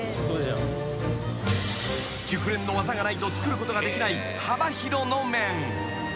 ［熟練の技がないと作ることができない幅広の麺］